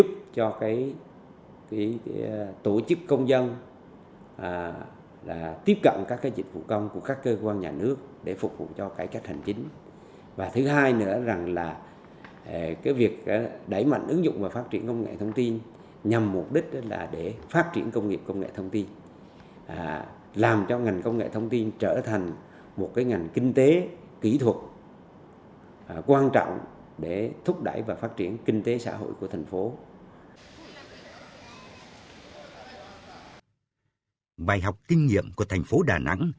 bài học kinh nghiệm của thành phố đà nẵng